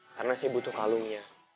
karena saya butuh kalungnya